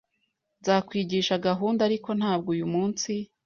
Nzakwigisha gahunda, ariko ntabwo uyu munsi.